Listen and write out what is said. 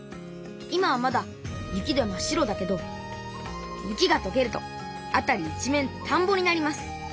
今はまだ雪で真っ白だけど雪がとけると辺り一面たんぼになります。